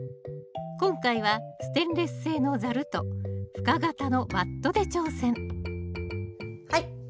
今回はステンレス製のザルと深型のバットで挑戦はい。